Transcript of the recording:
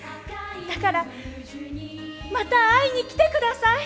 だからまた会いに来て下さい。